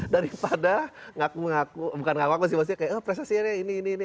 daripada ngaku ngaku bukan ngaku ngaku sih maksudnya kayak presidennya ini ini ini